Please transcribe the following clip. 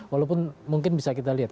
walaupun mungkin bisa kita lihat